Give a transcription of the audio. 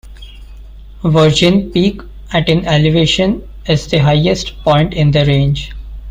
Virgin Peak, at in elevation, is the highest point in the range.